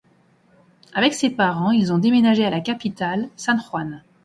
Avec ses parents, ils ont déménagé à la capitale, San Juan.